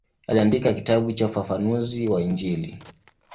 Aliandika kitabu cha ufafanuzi wa Injili.